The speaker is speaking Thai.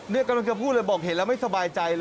นี่กำลังจะพูดเลยบอกเห็นแล้วไม่สบายใจเลย